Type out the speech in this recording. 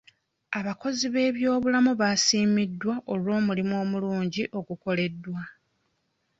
Abakozi b'ebyobulamu baasiimiddwa olw'omulimu omulungi ogukoleddwa.